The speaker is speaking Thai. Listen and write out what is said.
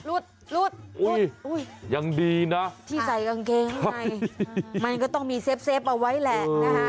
ยังดีนะที่ใส่กางเกงข้างในมันก็ต้องมีเซฟเอาไว้แหละนะคะ